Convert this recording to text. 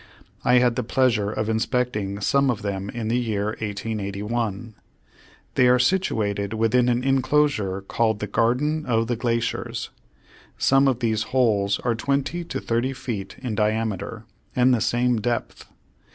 I had the pleasure of inspecting some of them in the year 1881. They are situated within an inclosure called the Garden of the Glaciers. Some of these holes are twenty to thirty feet in diameter, and the same depth.